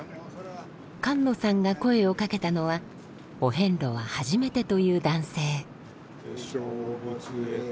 菅野さんが声をかけたのはお遍路は初めてという男性。